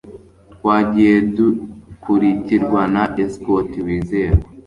Twagiye dukurikirwa na escort wizerwa